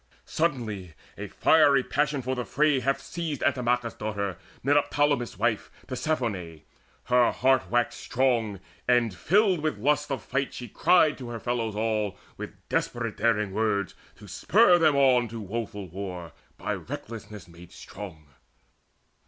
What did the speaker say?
Suddenly A fiery passion for the fray hath seized Antimachus' daughter, Meneptolemus' wife, Tisiphone. Her heart waxed strong, and filled With lust of fight she cried to her fellows all, With desperate daring words, to spur them on To woeful war, by recklessness made strong.